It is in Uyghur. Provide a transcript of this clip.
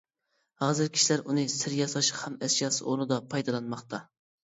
ھازىر كىشىلەر ئۇنى سىر ياساش خام ئەشياسى ئورنىدا پايدىلانماقتا.